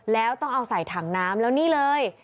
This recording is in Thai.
แล้วต้องเอาใส่ถังน้ำแล้วนี่เลย